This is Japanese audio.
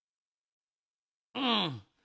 うん。